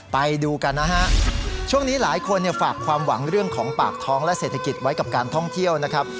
ไปดูกันนะฮะช่วงนี้หลายคนฝากความหวังเรื่องของปากท้องและเศรษฐกิจไว้กับการท่องเที่ยวนะครับ